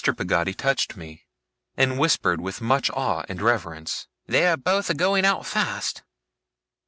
Peggotty touched me, and whispered with much awe and reverence. 'They are both a going out fast.